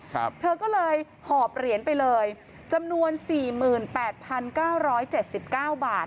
ครับเธอก็เลยหอบเหรียญไปเลยจำนวนสี่หมื่นแปดพันเก้าร้อยเจ็ดสิบเก้าบาท